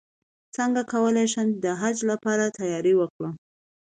څنګه کولی شم د حج لپاره تیاری وکړم